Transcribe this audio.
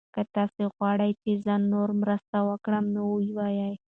که تاسي غواړئ چې زه نوره مرسته وکړم نو ووایئ.